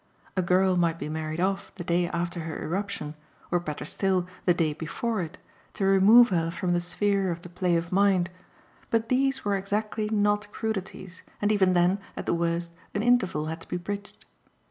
A girl might be married off the day after her irruption, or better still the day before it, to remove her from the sphere of the play of mind; but these were exactly not crudities, and even then, at the worst, an interval had to be bridged.